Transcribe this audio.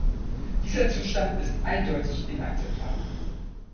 Dieser Zustand ist eindeutig inakzeptabel.